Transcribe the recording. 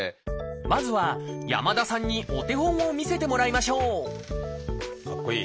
まずは山田さんにお手本を見せてもらいましょうかっこいい。